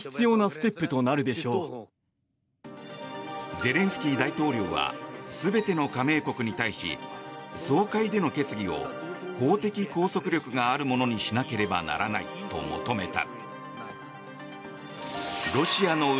ゼレンスキー大統領は全ての加盟国に対し総会での決議を法的拘束力があるものにしなければならないと求めた。